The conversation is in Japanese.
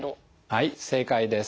はい正解です。